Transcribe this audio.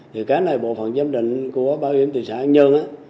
thì cái này bộ phần giám định của bảo hiểm tùy xã an nhơn